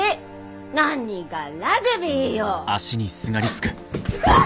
何がラグビーよ。